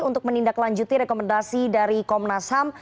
untuk menindaklanjuti rekomendasi dari komnas ham